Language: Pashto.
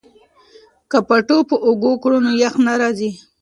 که پټو په اوږه کړو نو یخ نه راځي.